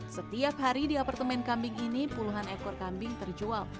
setiap hari di apartemen kambing ini puluhan ekor kambing terjual